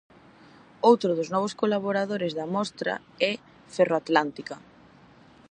Outro dos novos colaboradores da mostra é Ferroatlántica.